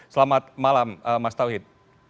selamat malam mas taufik